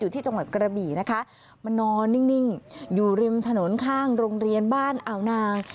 ที่จังหวัดกระบี่นะคะมานอนนิ่งอยู่ริมถนนข้างโรงเรียนบ้านอ่าวนาง